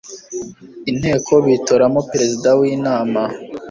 inteko bitoramo perezida w inama